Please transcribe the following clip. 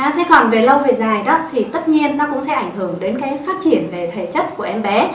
thế còn về lâu về dài đó thì tất nhiên nó cũng sẽ ảnh hưởng đến cái phát triển về thể chất của em bé